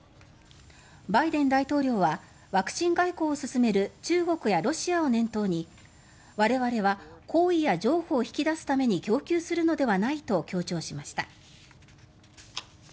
バイデン大統領はワクチン外交を進める中国やロシアを念頭に我々は好意や譲歩を引き出すために供給するのではないと強調しました。